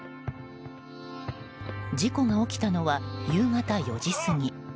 事故が起きたのは夕方４時過ぎ。